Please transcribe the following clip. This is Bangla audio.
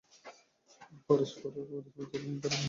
পরস্পর পরস্পরের জুলুম ঘাড় পেতে বহন করবে, এইজন্যেই তো বিবাহ।